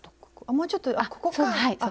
もうちょっとあっここかぁ。